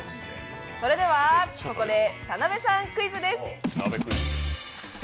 それではここで田辺さんクイズです。